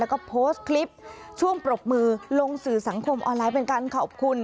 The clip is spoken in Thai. แล้วก็โพสต์คลิปช่วงปรบมือลงสื่อสังคมออนไลน์เป็นการขอบคุณ